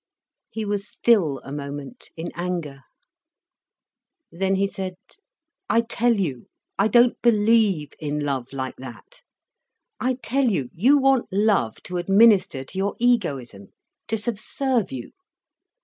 He was still a moment, in anger. Then he said: "I tell you, I don't believe in love like that. I tell you, you want love to administer to your egoism, to subserve you.